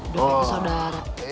dari ke saudara